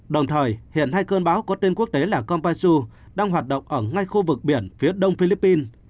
đồng thời hiện hai cơn bão có tên quốc tế là compasu đang hoạt động ở ngay khu vực biển phía đông philippines